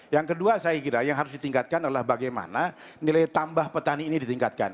yang kedua saya kira yang harus ditingkatkan adalah bagaimana nilai tambah petani ini ditingkatkan